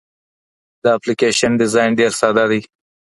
د اپلیکیشن ډیزاین ډېر ساده دی.